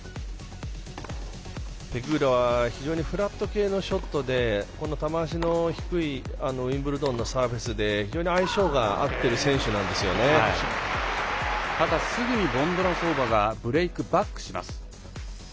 ペグーラは非常にフラット系のショットで球足の低いウィンブルドンのサーフェスで非常に相性が合っているただすぐにボンドロウソバがブレークバックします。